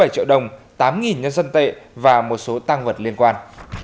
bảy mươi bảy triệu đồng tám nhân dân tệ và một số tăng vật liên quan